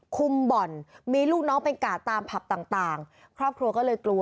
บ่อนมีลูกน้องเป็นกาดตามผับต่างต่างครอบครัวก็เลยกลัว